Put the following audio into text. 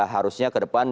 harusnya ke depan